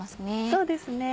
そうですね。